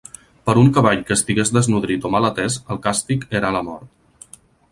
Per un cavall que estigués desnodrit o mal atès el càstig era la mort.